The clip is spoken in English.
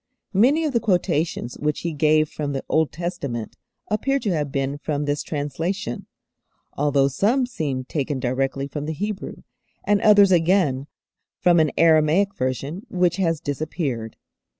Many of the quotations which He gave from the Old Testament appear to have been from this translation, although some seem taken directly from the Hebrew, and others again from an Aramaic version which has disappeared.